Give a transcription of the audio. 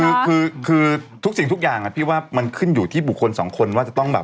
คือคือทุกสิ่งทุกอย่างพี่ว่ามันขึ้นอยู่ที่บุคคลสองคนว่าจะต้องแบบ